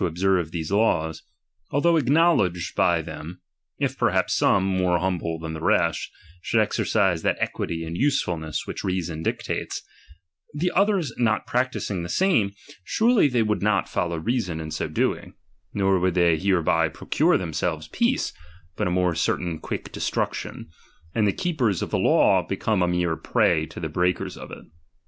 ■observe these laws, although acknowledged by ™"™™ "them ; if perhaps some, more humble than the ^lest, should exercise that equity and usefulness which reason dictates, the othei's not practising "the same, surely they would not follow reason in doing ; nor would they hereby procure them Iselves peace, but a more certain quick destruction, and the keepers of the law become a mere prey to the breakers of it.